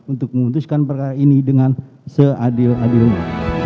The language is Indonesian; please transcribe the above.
untuk memutuskan perkara ini dengan seadil adilnya